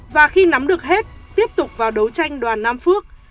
và khi nắm được hết tiếp tục vào đấu tranh đoàn nam phước